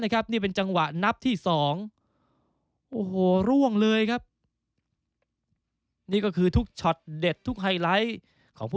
กพกกกก